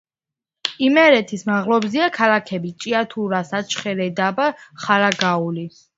იმერეთის მაღლობზეა ქალაქები: ჭიათურა, საჩხერე, დაბა ხარაგაული.